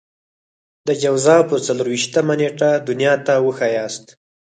د جوزا پر څلور وېشتمه نېټه دنيا ته وښاياست.